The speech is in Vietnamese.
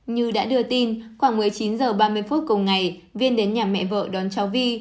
như đã đưa tin khoảng một mươi chín h ba mươi phút cùng ngày viên đến nhà mẹ vợ đón cháu vi